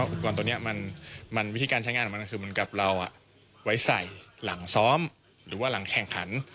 อุปกรณ์ตัวนี้มันวิธีการใช้งานของมันคือเหมือนกับเราไว้ใส่หลังซ้อมหรือว่าหลังแข่งขัน